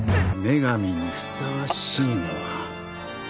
女神にふさわしいのは僕だ。